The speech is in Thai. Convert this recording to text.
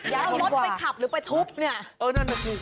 อยากเอารถไปขับหรือไปทุบเนี่ย